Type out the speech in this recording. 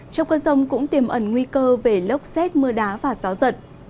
trong cơn rông cũng tiềm ẩn nguy cơ về lốc xét mưa đá và gió giật